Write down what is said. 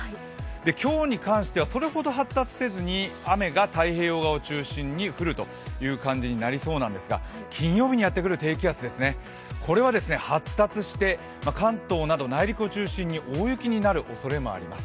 今日に関してはそれほど発達せずに雨が太平洋側を中心に降る感じになりそうなんですが金曜日にやってくる低気圧は発達して関東など内陸を中心に大雪になるおそれもあります。